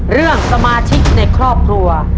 เรื่องสมาชิกในครอบครัว